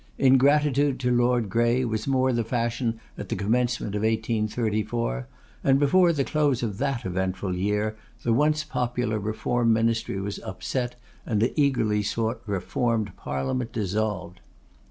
Ingratitude to Lord Grey was more the fashion at the commencement of 1834, and before the close of that eventful year, the once popular Reform Ministry was upset, and the eagerly sought Reformed Parliament dissolved!